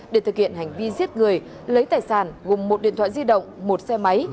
để thực hiện hành vi giết người lấy tài sản gồm một điện thoại di động một xe máy